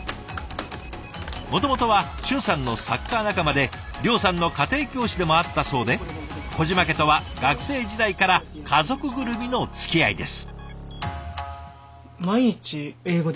もともとは俊さんのサッカー仲間で諒さんの家庭教師でもあったそうで小嶋家とは学生時代から家族ぐるみのつきあいです。